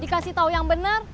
dikasih tau yang bener